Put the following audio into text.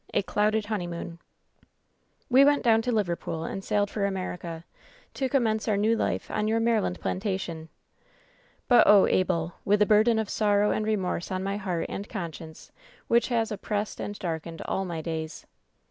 A CLOUDED HONEYMOON '*••*.' *Jf '^ "We went down to Liverpool and sailed for America, to commence our new life on your Maryland plantation. "But, oh, Abel I with a burden of sorrow and remorse on my heart and conscience which has oppressed and darkened all my days.